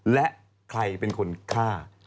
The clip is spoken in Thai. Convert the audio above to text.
และใครเป็นคนฆ่า